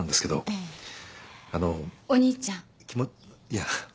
いや。